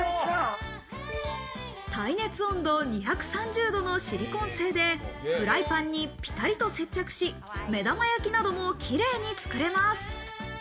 耐熱温度２３０度のシリコン製で、フライパンにピタリと接着し、目玉焼きなども綺麗につくれます。